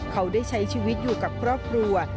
เขาได้ใช้ชีวิตอยู่กับครอบครัว